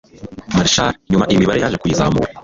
Marshall nyuma iyi mibare yaje kuyizamura